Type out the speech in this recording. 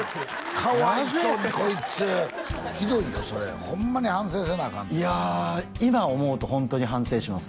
かわいそうにこいつひどいよそれホンマに反省せなあかんでいや今思うとホントに反省します